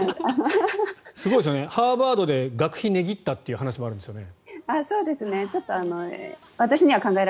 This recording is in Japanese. すごいですよねハーバードで学費を値切ったという話もあるんですよね。